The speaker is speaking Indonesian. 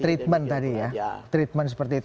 treatment tadi ya treatment seperti itu